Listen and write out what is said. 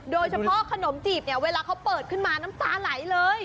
โดยเฉพาะขนมจีบเนี่ยเวลาเขาเปิดขึ้นมาน้ำตาไหลเลย